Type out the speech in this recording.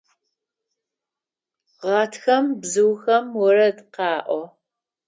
Гъатхэм бзыухэм орэд къаӏо.